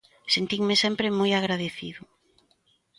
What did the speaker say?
Sentinme sempre moi agradecido.